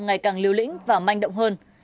ngày càng lưu lĩnh và manh động hơn